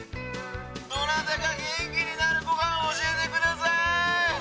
どなたか元気になるごはんを教えてください！